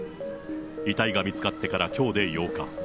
遺体が見つかってからきょうで８日。